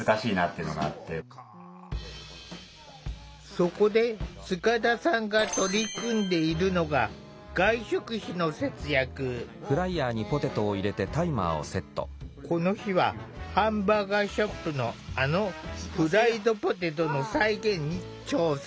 そこで塚田さんが取り組んでいるのがこの日はハンバーガーショップのあのフライドポテトの再現に挑戦。